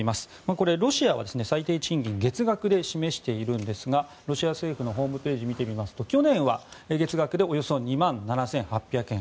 これはロシアは最低賃金月額で示しているんですがロシア政府のホームページを見てみますと去年は月額でおよそ２万７８００円